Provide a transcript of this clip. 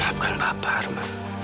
maafkan bapak arman